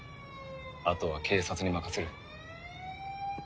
あとは警察に任せる。